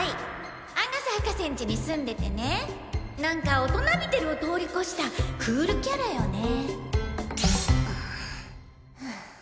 阿笠博士ん家に住んでてねなんか大人びてるを通り越したクールキャラよねんハァ。